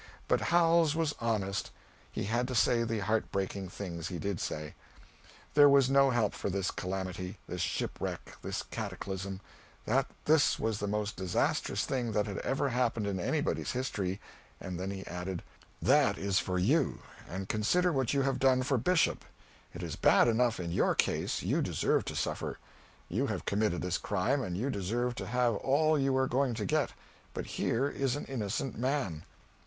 But Howells was honest he had to say the heart breaking things he did say: that there was no help for this calamity, this shipwreck, this cataclysm; that this was the most disastrous thing that had ever happened in anybody's history and then he added, "That is, for you and consider what you have done for Bishop. It is bad enough in your case, you deserve to suffer. You have committed this crime, and you deserve to have all you are going to get. But here is an innocent man.